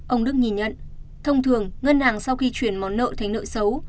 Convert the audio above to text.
ông đức nhìn nhận thông thường ngân hàng sau khi chuyển món nợ thành nợ xấu